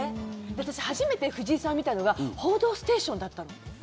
私、初めて藤井さんを見たのが「報道ステーション」だったの。